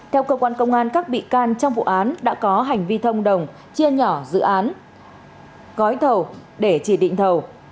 theo cơ quan công an các bị can trong vụ án đã có hành vi thông đồng chia nhỏ dự án gói thầu để chỉ định thầu